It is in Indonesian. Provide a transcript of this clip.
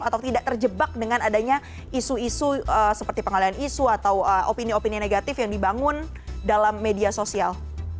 atau tidak terjebak dengan adanya isu isu seperti pengalian isu atau opini opini negatif yang dibangun dalam media sosial